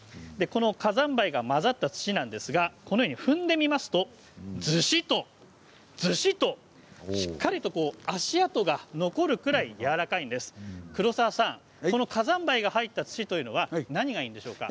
火山灰が混ざった土なんですが踏んでみますとずしっとしっかりと足跡が残るぐらいやわらかいんです、黒澤さんこの火山灰が入った土何がいいんでしょうか。